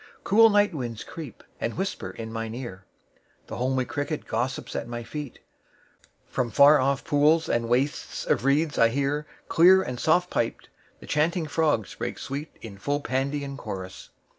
9Cool night winds creep, and whisper in mine ear.10The homely cricket gossips at my feet.11From far off pools and wastes of reeds I hear,12Clear and soft piped, the chanting frogs break sweet13In full Pandean chorus.